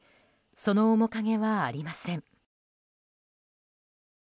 その面影はありません。